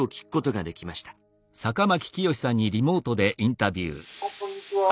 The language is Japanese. こんにちは。